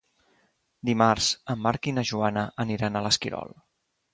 Dimarts en Marc i na Joana aniran a l'Esquirol.